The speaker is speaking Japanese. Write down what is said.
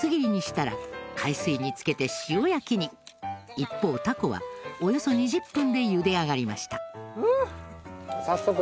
一方タコはおよそ２０分で茹で上がりました。